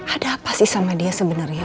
ada apa sih sama dia sebenarnya